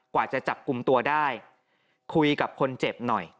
กว่าจะจับกลุ่มตัวได้คุยกับคนเจ็บหน่อย